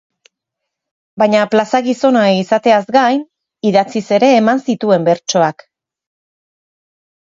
Baina plaza-gizona izateaz gain, idatziz ere eman zituen bertsoak.